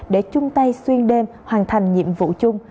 để chung tay xuyên đêm hoàn thành nhiệm vụ chung